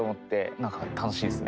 なんか楽しいですね。